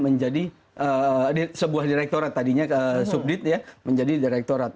menjadi sebuah direktorat tadinya subdit ya menjadi direktorat